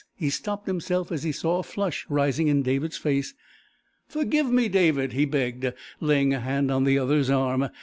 He stopped himself as he saw a flush rising in David's face. "Forgive me, David," he begged, laying a hand on the other's arm.